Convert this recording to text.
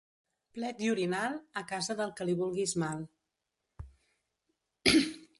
Plet i orinal, a casa del que li vulguis mal.